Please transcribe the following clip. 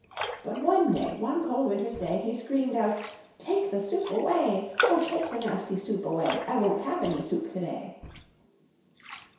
But one day, one cold winter's day, He screamed out "Take the soup away! O take the nasty soup away! I won't have any soup today."